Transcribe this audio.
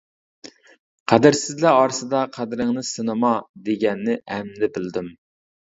«قەدىرسىزلەر ئارىسىدا قەدرىڭنى سىنىما» دېگەننى ئەمدى بىلدىم.